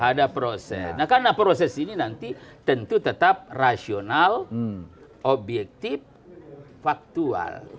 ada proses nah karena proses ini nanti tentu tetap rasional objektif faktual